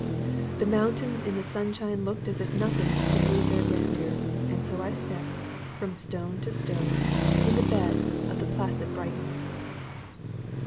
The mountains in the sunshine looked as if nothing could move their grandeur, and so I stepped from stone to stone, in the bed of the placid brightness.